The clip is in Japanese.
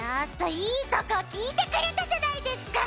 いいとこ聞いてくれたじゃないですか！